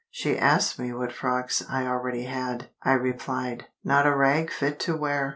She asked me what frocks I already had. I replied, "Not a rag fit to wear!"